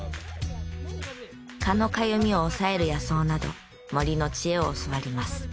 蚊のかゆみを抑える野草など森の知恵を教わります。